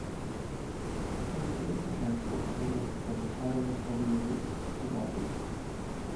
It was built to transport coal from the Tyrone collieries to Dublin.